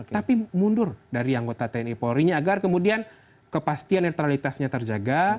tapi mundur dari anggota tni polri nya agar kemudian kepastian netralitasnya terjaga